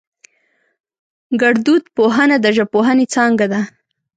گړدود پوهنه د ژبپوهنې څانگه ده